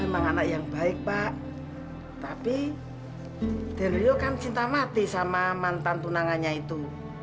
memang anak yang baik pak tapi dari yo kan cinta mati sama mantan tunangannya itu